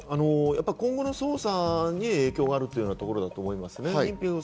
今後の捜査に影響があるというところだと思います。